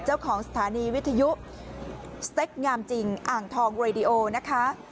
เจ้าของสถานีวิทยุสเต็กงามจริงอ่างทองเรดิโอนะคะ